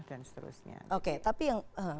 dan seterusnya oke tapi yang